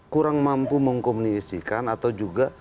kurang mampu mengkomunikasikan atau juga